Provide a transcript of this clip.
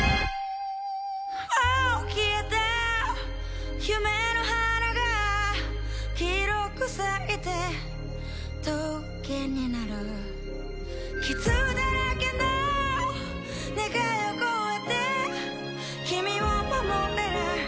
もう消えた夢の花が黄色く咲いて棘になる傷だらけの願いを超えて君を守れる？